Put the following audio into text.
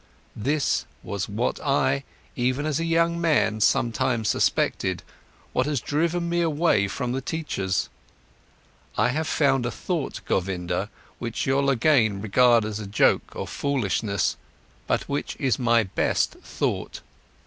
This was what I, even as a young man, sometimes suspected, what has driven me away from the teachers. I have found a thought, Govinda, which you'll again regard as a joke or foolishness, but which is my best thought.